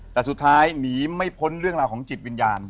แต่สุดท้ายหนีไม่พ้นเรื่องราวของจิตวิญญาณ